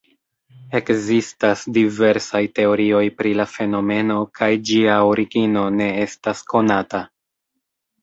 Ekzistas diversaj teorioj pri la fenomeno kaj ĝia origino ne estas konata.